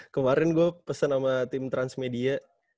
kemarin gue pesen sama tim transmedia